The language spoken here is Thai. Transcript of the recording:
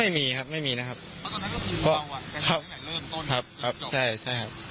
ไม่มีครับไม่มีนะครับครับครับครับใช่ใช่ครับ